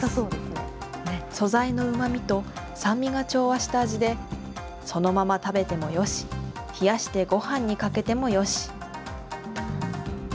素材のうまみと酸味が調和した味で、そのまま食べてもよし、冷やしてごはんにかけてもよし。